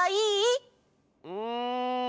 うん。